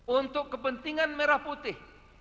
untuk kepentingan merah putih